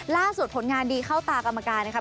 ผลงานดีเข้าตากรรมการนะครับ